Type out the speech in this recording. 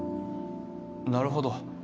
なるほど。